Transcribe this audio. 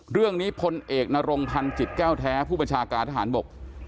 พลเอกนรงพันธ์จิตแก้วแท้ผู้บัญชาการทหารบก